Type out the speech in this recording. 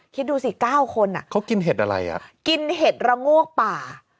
คิดดูสิ๙คนอ่ะเขากินเห็ดอะไรอ่ะกินเห็ดระโงกป่า